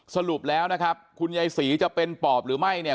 สรุปแล้วนะครับคุณยายศรีจะเป็นปอบหรือไม่เนี่ย